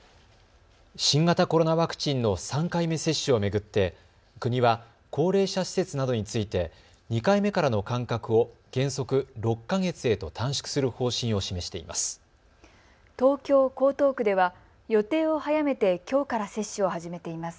新型コロナワクチンの３回目接種を巡って国は高齢者施設などについて２回目からの間隔を原則６か月へと短縮する方針を示しています。